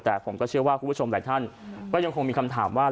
แต่ผมก็เชื่อว่าคุณผู้ชมหลายท่านก็ยังคงมีคำถามว่า